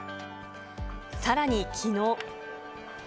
さらにきのう。